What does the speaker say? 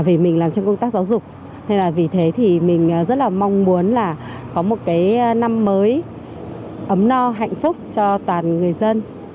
vì mình làm trong công tác giáo dục nên là vì thế thì mình rất là mong muốn là có một cái năm mới ấm no hạnh phúc cho toàn người dân